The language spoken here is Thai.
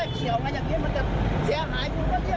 กรณีลงมา